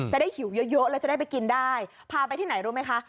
หิวเยอะแล้วจะได้ไปกินได้พาไปที่ไหนรู้ไหมคะ